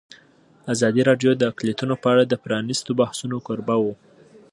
ازادي راډیو د اقلیتونه په اړه د پرانیستو بحثونو کوربه وه.